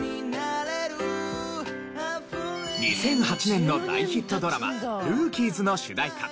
２００８年の大ヒットドラマ『ＲＯＯＫＩＥＳ』の主題歌。